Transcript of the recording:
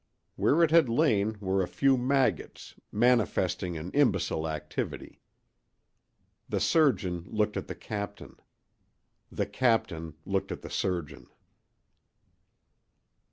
Where it had lain were a few maggots, manifesting an imbecile activity. The surgeon looked at the captain. The captain looked at the surgeon.